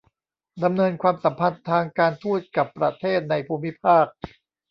ดำเนินความสัมพันธ์ทางการทูตกับประเทศในภูมิภาค